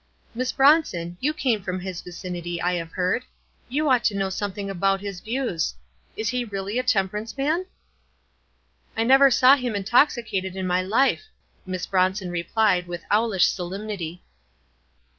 Miss Bronson, you came from his vicinity, I have heard. You ought to know something abort his views. Is he really a temperance man?" "I never saw him intoxicated in my life," Miss Bronson replied, with owlish solemnity.